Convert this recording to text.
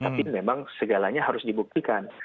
tapi memang segalanya harus dibuktikan